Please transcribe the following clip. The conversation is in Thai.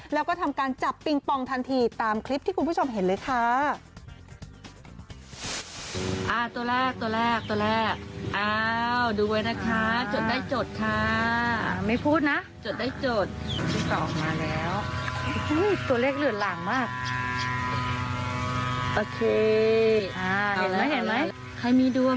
แล้วก็ทำการจับปิงปองทันทีตามคลิปที่คุณผู้ชมเห็นเลยค่ะ